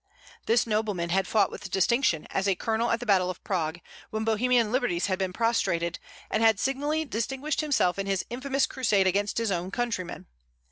This nobleman had fought with distinction as a colonel at the battle of Prague, when Bohemian liberties had been prostrated, and had signally distinguished himself in his infamous crusade against his own countrymen.